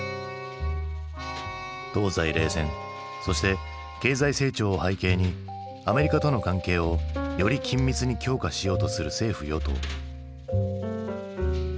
東西冷戦そして経済成長を背景にアメリカとの関係をより緊密に強化しようとする政府与党。